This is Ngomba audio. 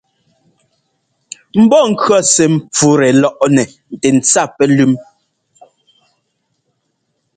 Mbɔ́ŋkʉɔ́ sɛ́ ḿpfútɛ lɔ́ꞌnɛ tɛ ńtsa pɛlʉ́m.